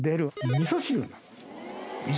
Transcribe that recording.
味噌汁？